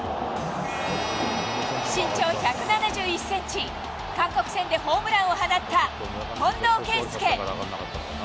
身長１７１センチ、韓国戦でホームランを放った近藤健介。